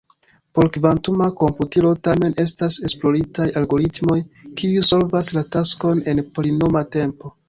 Por kvantuma komputilo, tamen, estas esploritaj algoritmoj kiuj solvas la taskon en polinoma tempo.